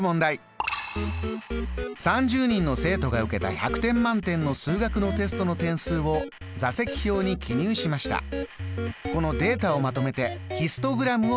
３０人の生徒が受けた１００点満点の数学のテストの点数を座席表に記入しました。